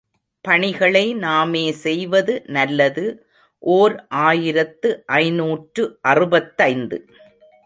பணிகளை நாமே செய்வது நல்லது ஓர் ஆயிரத்து ஐநூற்று அறுபத்தைந்து.